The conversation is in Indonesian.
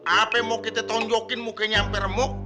apa mau kita tunjukin mukanya sampai remuk